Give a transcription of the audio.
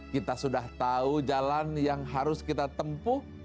kita sudah tahu jalan yang harus kita tempuh